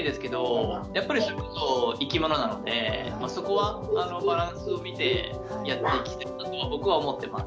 やっぱりそれこそ生き物なのでそこはバランスを見てやっていきたいなとは僕は思ってます。